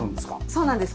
そうなんです。